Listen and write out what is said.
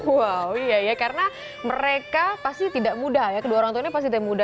wow iya ya karena mereka pasti tidak mudah ya kedua orang tuanya pasti muda